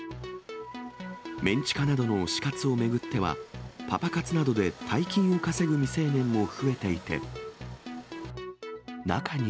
メン地下などの推し活を巡っては、パパ活などで大金を稼ぐ未成年も増えていて、中には。